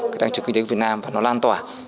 cái tăng trưởng kinh tế của việt nam và nó lan tỏa